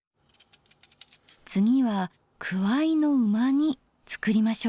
次はくわいの旨煮つくりましょうか。